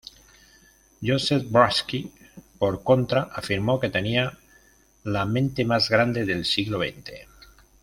Joseph Brodsky por contra afirmó que tenía "la mente más grande del siglo veinte".